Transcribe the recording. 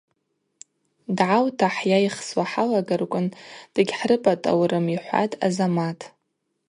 Дгӏаута хӏйайхсуа хӏалагарквын дыгьхӏрыпӏатӏаурым,–йхӏватӏ Азамат.